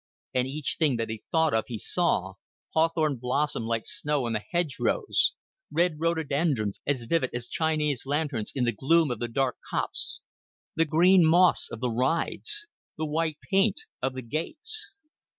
And each thing that he thought of he saw hawthorn blossom like snow on the hedgerows, red rhododendrons as vivid as Chinese lanterns in the gloom of the dark copse, the green moss of the rides, the white paint of the gates.